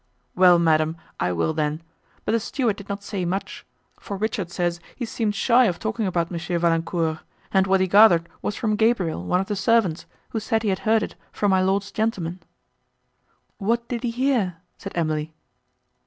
"Well, madam, I will then; but the steward did not say much, for Richard says he seemed shy of talking about Mons. Valancourt, and what he gathered was from Gabriel, one of the servants, who said he had heard it from my lord's gentleman." "What did he hear?" said Emily.